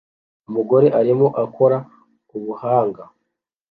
Umugore arimo akora ubuhanga